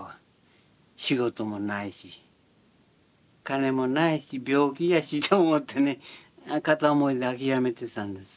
仕事もないし金もないし病気やしと思ってね片思いで諦めてたんです。